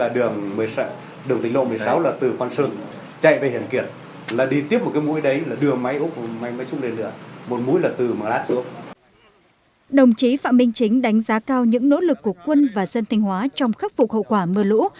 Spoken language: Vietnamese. đồng chí phạm minh chính đánh giá cao những nỗ lực của quân và dân thanh hóa trong khắc phục hậu quả mưa lũ